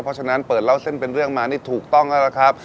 เพราะฉะนั้นเปิดเล่าเส้นเป็นเรื่องมานี่ถูกต้องแล้วล่ะครับ